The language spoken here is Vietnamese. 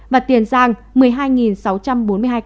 và tiền giang một mươi hai sáu trăm bốn mươi hai ca